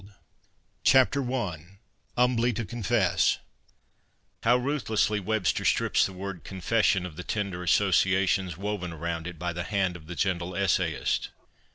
I HUMBLY TO CONFESS '' HUMBLY TO CONFESS ' How ruthlessly Webster strips the word ' con fession ' of the tender associations woven around it by the hand of the gentle essayist